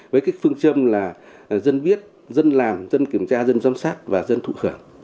với cái phương châm là dân viết dân làm dân kiểm tra dân giám sát và dân thụ khẩn